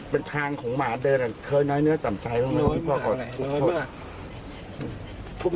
เป็นทางของหมาเดินอ่ะเคยน้อยเนื้อต่ำใจบ้างมั้ยพี่พ่อก่อน